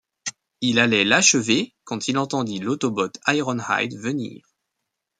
Il allait l'achever quand il entendit l'Autobot Ironhide venir.